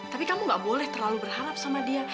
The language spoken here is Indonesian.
tapi kamu gak boleh terlalu berharap sama dia